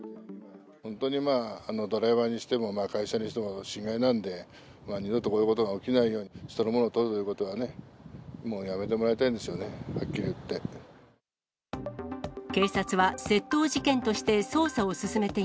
本当にドライバーにしても、会社にしても心外なので、二度とこういうことが起きないように、人のものをとるということは、やめてもらいたいんですよね、はっきり言って。